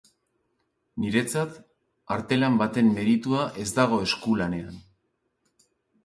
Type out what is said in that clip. Niretzat artelan baten meritua ez dago eskulanean.